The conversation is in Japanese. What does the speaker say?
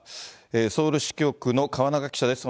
ソウル支局の河中記者です。